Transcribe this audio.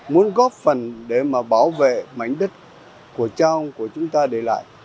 muốn góp phần để bảo vệ mảnh đất của cháu của chúng ta để lại